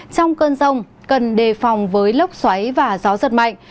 trong cơn rông cần đề phòng với lốc xoáy và gió giật mạnh